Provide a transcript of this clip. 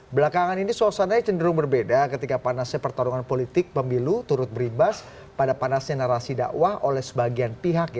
belakangan ini suasananya cenderung berbeda ketika panasnya pertarungan politik pemilu turut beribas pada panasnya narasi dakwah oleh sebagian pihak